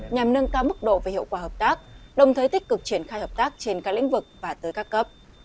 nhằm nâng cao mức độ và hiệu quả hợp tác đồng thời tích cực triển khai hợp tác trên các lĩnh vực và tới các cấp